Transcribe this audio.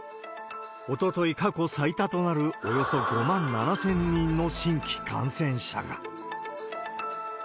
おととい、過去最多となるおよそ５万７０００人の新規感染者が。